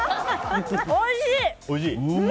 おいしい！